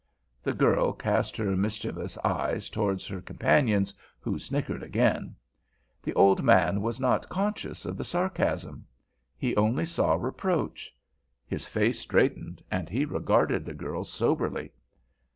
The girl cast her mischievous eyes towards her companions, who snickered again. The old man was not conscious of the sarcasm. He only saw reproach. His face straightened, and he regarded the girl soberly.